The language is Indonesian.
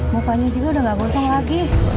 mupanya juga udah gak bosong lagi